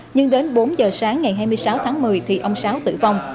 nhưng đến bốn giờ sáng ngày hai mươi sáu tháng một mươi thì ông sáu tử vong